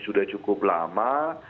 sudah cukup lama